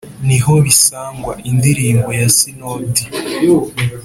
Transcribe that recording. ni ho bisangwa” (indirimbo ya sinodi).